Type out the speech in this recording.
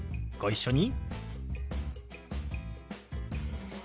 ご一緒に。